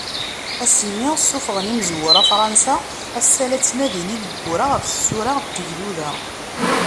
Ass-nni, ssuffɣen yimezwura Fṛansa, ass-a, la ttnadin yineggura ɣef tsura n Tegduda.